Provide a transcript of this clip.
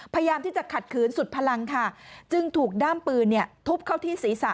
พยายามที่จะขัดขืนสุดพลังค่ะจึงถูกด้ามปืนทุบเข้าที่ศีรษะ